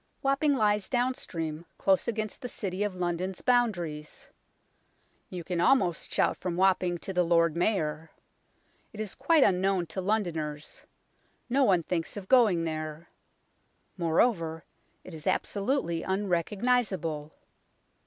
Wapping lies downstream close against the City of London's boundaries. You can almost shout from Wapping to the Lord Mayor. It is quite unknown to Londoners. No one thinks of going there. Moreover, it is absolutely un recognizable.